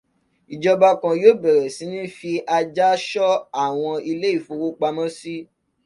Ìjọba kan yóò bẹ̀rẹ̀ sí fi ajá ṣọ́ àwọn ilé ìfowópamọ́sí.